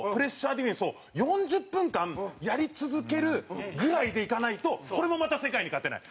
ディフェンスを４０分間やり続けるぐらいでいかないとこれもまた、世界に勝てない。